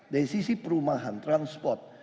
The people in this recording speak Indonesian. dari sisi perumahan transport